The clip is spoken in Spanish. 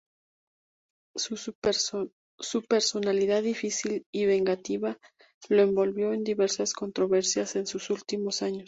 Su personalidad difícil y vengativa lo envolvió en diversas controversias en sus últimos años.